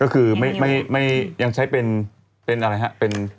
ก็คือยังใช้เป็น